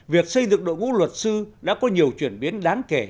việc xây dựng đội ngũ luật sư đã có nhiều chuyển biến đáng kể